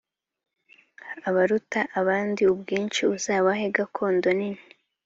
abaruta abandi ubwinshi uzabahe gakondo nini